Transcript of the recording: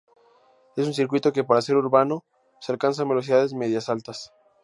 Es un circuito que para ser urbano, se alcanzan velocidades medias altas.